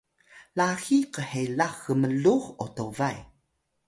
laxiy khelax gmlux otobay